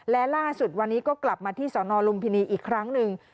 และล่าสุดวันนี้ก็กลับมาที่สนลุมพินีอีกครั้งหนึ่ง